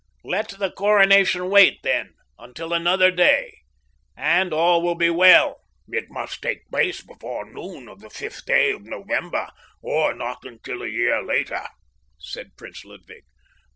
Let the coronation wait, then, until another day, and all will be well." "It must take place before noon of the fifth day of November, or not until a year later," said Prince Ludwig.